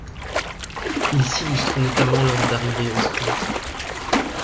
Il s'illustre notamment lors d'arrivées au sprint.